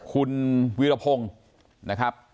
คุณวิราโพงนะครับ